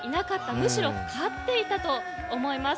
むしろ勝っていたと思います。